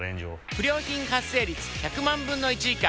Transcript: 不良品発生率１００万分の１以下。